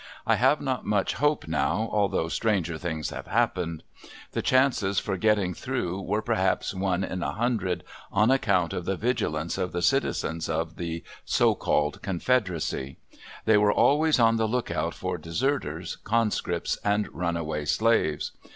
I have not much hope now, although stranger things have happened. The chances for getting through were perhaps one in a hundred, on account of the vigilance of the citizens of the so called Confederacy. They were always on the lookout for deserters, conscripts and runaway slaves.